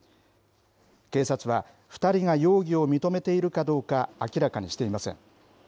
警察は、２人が容疑を認めているかどうか明らかにしていません。